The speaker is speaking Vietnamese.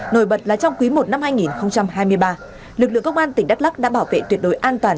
nổi bật là trong quý i năm hai nghìn hai mươi ba lực lượng công an tỉnh đắk lắc đã bảo vệ tuyệt đối an toàn